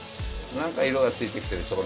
何か色がついてきてるでしょ